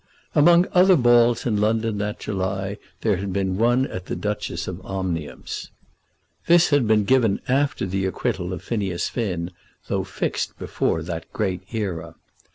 Among other balls in London that July there had been one at the Duchess of Omnium's. This had been given after the acquittal of Phineas Finn, though fixed before that great era.